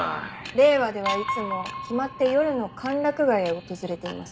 令和ではいつも決まって夜の歓楽街へ訪れています。